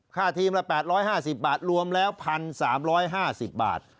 ค่าทีมละ๘๕๐บาทรวมแล้ว๑๓๕๐บาท